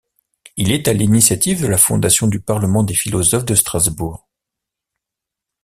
Il est à l'initiative de la fondation du Parlement des philosophes de Strasbourg.